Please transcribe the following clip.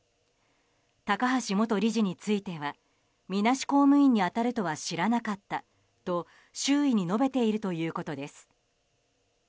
高橋元理事についてはみなし公務員に当たるとは知らなかったと周囲に述べているということです。